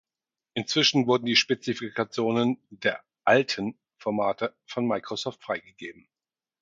Inzwischen wurden die Spezifikationen der „alten“ Formate von Microsoft freigegeben.